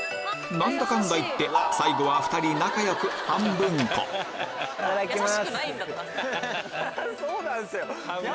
何だかんだ言って最後は２人仲良くいただきます。